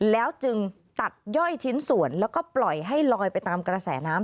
แล้วจึงตัดย่อยชิ้นส่วนแล้วก็ปล่อยให้ลอยไปตามกระแสน้ำ